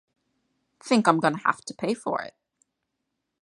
Think I'm gonna have to pay for it.